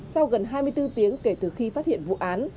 sau gần hai mươi bốn tiếng kể từ khi phát hiện vụ án